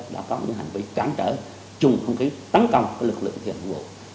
đã có những hành vi cám trở chung không khí tấn công lực lượng thi hành công vụ